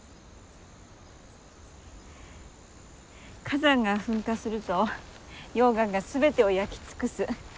火山が噴火すると溶岩が全てを焼き尽くす。